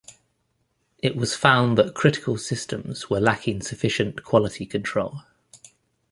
It was found that critical systems were lacking sufficient quality control.